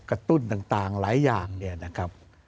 ตุ้นต่างหลายอย่างเนี่ยนะครับ